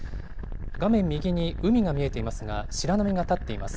画面右に海が見えていますが、白波が立っています。